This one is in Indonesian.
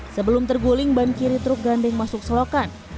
sebelum terguling ban kiri truk gandeng masuk selokan